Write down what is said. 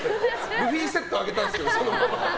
ルフィセットあげたんですけど。